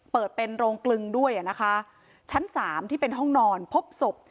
เปิดเป็นโรงกลึงด้วยอ่ะนะคะชั้นสามที่เป็นห้องนอนพบศพ